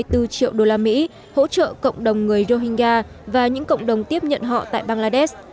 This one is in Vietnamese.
triệu đô la mỹ hỗ trợ cộng đồng người rohingya và những cộng đồng tiếp nhận họ tại bangladesh